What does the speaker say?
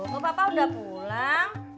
kok papa udah pulang